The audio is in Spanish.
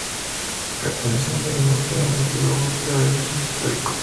Pertenece al movimiento de la Antigua búsqueda del Jesús histórico.